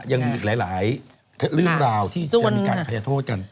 ยังมีอีกหลายเรื่องราวที่จะมีการอภัยโทษกัน